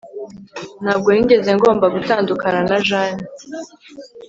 Ntabwo nigeze ngomba gutandukana na Jane